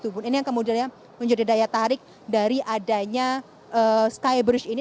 ini yang kemudian menjadi daya tarik dari adanya skybridge ini